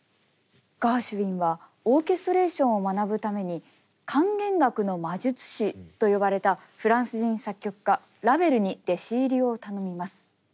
ガーシュウィンはオーケストレーションを学ぶために管弦楽の魔術師と呼ばれたフランス人作曲家ラヴェルに弟子入りを頼みます。